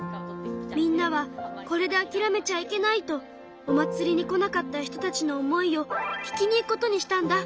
みんなはこれであきらめちゃいけないとお祭りに来なかった人たちの思いを聞きに行くことにしたんだ。